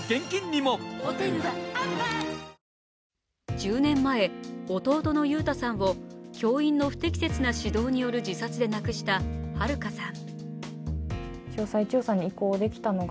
１０年前、弟の悠太さんを教員の不適切な指導による自殺で亡くしたはるかさん。